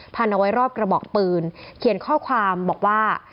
เอาไว้รอบกระบอกปืนเขียนข้อความบอกว่า